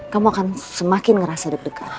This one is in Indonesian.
kamu akan semakin ngerasa deg degan